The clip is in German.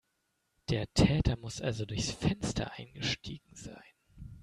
Der Täter muss also durchs Fenster eingestiegen sein.